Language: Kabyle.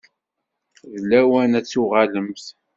D lawan ad tuɣalemt.